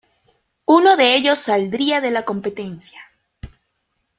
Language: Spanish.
Uno de ellos saldría de la competencia.